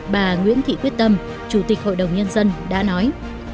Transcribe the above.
bà nguyễn thị quyết tâm chủ tịch hội đồng nhân dân đã nói